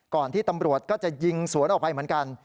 ที่ตำรวจก็จะยิงสวนออกไปเหมือนกัน